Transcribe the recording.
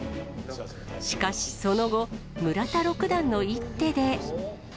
しかしその後、村田六段の一手で。